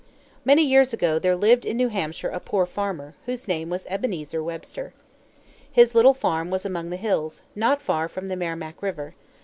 Many years ago there lived in New Hampshire a poor farmer, whose name was Ebenezer Webster. His little farm was among the hills, not far from the Merrimac River.